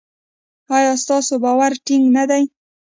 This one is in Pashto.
ایا ستاسو باور ټینګ نه دی؟